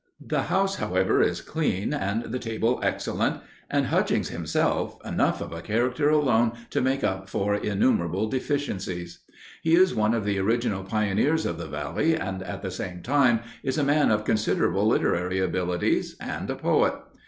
The house, however, is clean, and the table excellent; and Hutchings himself, enough of a character alone to make up for innumerable deficiencies. He is one of the original pioneers of the Valley, and at the same time is a man of considerable literary abilities, and a poet.